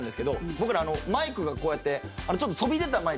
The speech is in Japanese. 僕らマイクがこうやってちょっと飛び出たマイク。